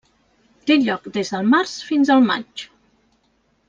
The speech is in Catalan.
Té lloc des del març fins al maig.